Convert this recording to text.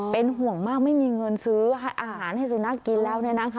เป็นห่วงมากไม่มีเงินซื้ออาหารให้สุนัขกินแล้ว